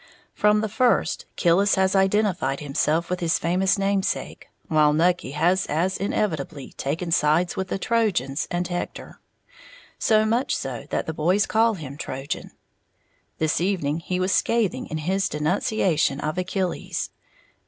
From the first, Killis has identified himself with his famous namesake, while Nucky has as inevitably taken sides with the Trojans and Hector, so much so that the boys call him "Trojan." This evening he was scathing in his denunciation of Achilles.